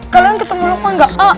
kalian ketemu lukman gak